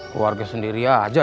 keluarga sendiri aja